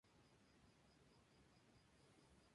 Foto de la isla